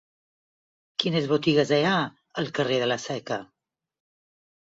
Quines botigues hi ha al carrer de la Seca?